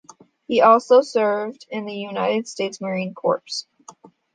He also served in the United States Marine Corps.